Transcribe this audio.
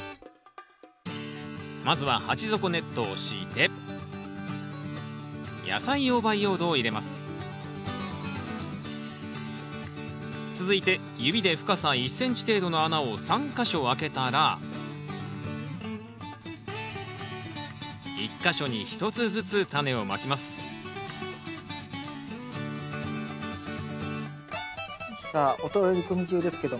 まずは続いて指で深さ１ｃｍ程度の穴を３か所開けたら１か所に１つずつタネをまきますさあお取り込み中ですけども。